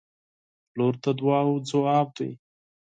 • لور د دعاوو ځواب دی.